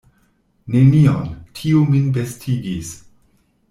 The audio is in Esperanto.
Nenion; tio min bestigis.